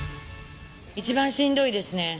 一番しんどいですね。